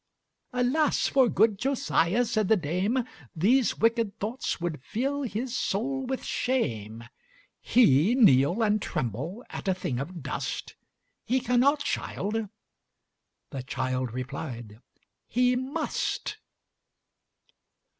"Alas! for good Josiah," said the dame, "These wicked thoughts would fill his soul with shame; He kneel and tremble at a thing of dust! He cannot, child:" the child replied, "He must."